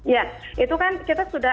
ya itu kan kita sudah